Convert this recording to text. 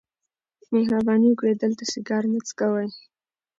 مهرباني وکړئ دلته سیګار مه څکوئ.